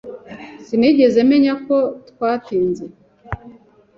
Sinigeze menya ko twatinze.